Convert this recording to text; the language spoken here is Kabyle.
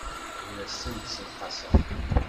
Ur asen-d-ssenqaseɣ.